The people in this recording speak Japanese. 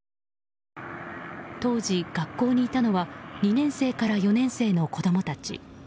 当時、学校にいたのは２年生から４年生の子供たち。